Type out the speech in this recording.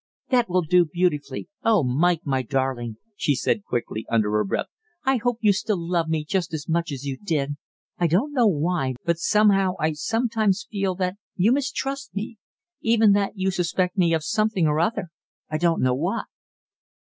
"That will do beautifully. Oh, Mike, my darling," she said quickly, under her breath, "I hope you still love me just as much as you did; I don't know why, but somehow I sometimes feel that you mistrust me even that you suspect me of something or other, I don't know what."